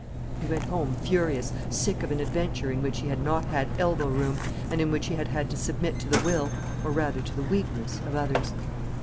He went home, furious, sick of an adventure in which he had not had elbow room, and in which he had had to submit to the will, or, rather, to the weakness of others.